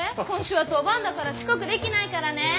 今週は当番だから遅刻できないからね。